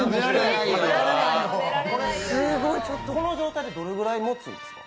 この状態で、どれぐらいもつんですか？